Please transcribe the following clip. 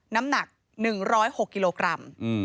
น้ำหนัก๑๐๖กิโลกรัม